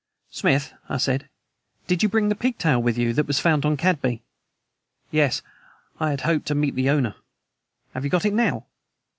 "Smith," I said, "did you bring the pigtail with you that was found on Cadby?" "Yes. I had hoped to meet the owner." "Have you got it now?"